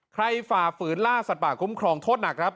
ฝ่าฝืนล่าสัตว์ป่าคุ้มครองโทษหนักครับ